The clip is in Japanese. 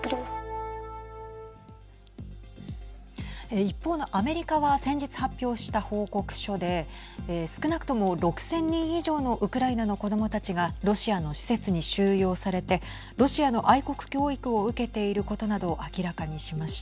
一方のアメリカは先日発表した報告書で少なくとも６０００人以上のウクライナの子どもたちがロシアの施設に収容されてロシアの愛国教育を受けていることなどを明らかにしました。